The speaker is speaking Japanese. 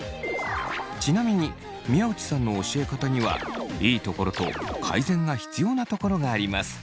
ちなみに宮内さんの教え方にはいいところと改善が必要なところがあります。